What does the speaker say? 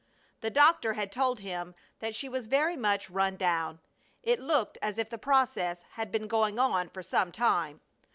The doctor had told him that she was very much run down. It looked as if the process had been going on for some time.